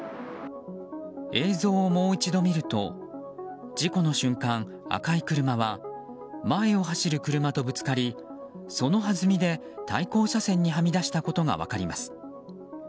映像をもう一度見ると事故の瞬間、赤い車は前を走る車とぶつかりそのはずみで対向車線にはみ出したことが分かります。